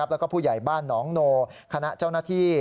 แล้วก็ผู้ใหญ่บ้านหนองโนคณะเจ้าหน้าที่